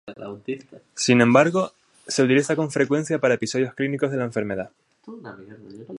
Sin embargo se utiliza con frecuencia para episodios clínicos de la enfermedad.